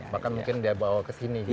bahkan mungkin dia bawa ke sini gitu ya